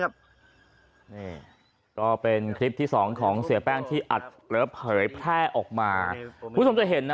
นี่ก็เป็นคลิปที่สองของเสียแป้งที่อัดแล้วเผยแพร่ออกมาคุณผู้ชมจะเห็นนะ